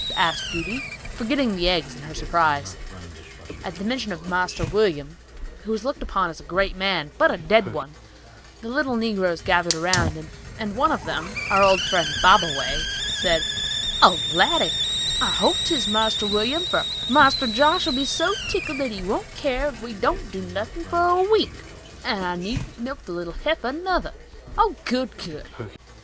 asked Judy, forgetting the eggs in her surprise. At the mention of "Marster William," who was looked upon as a great man, but a dead one, the little negroes gathered around, and one of them, our old friend, Bobaway, said, "Oh, Laddy, I hope 'tis Marster William, for Marster Josh'll be so tickled that he won't keer if we don't do nothin' for a week; and I needn't milk the little heifer, nuther! Oh, good, good!"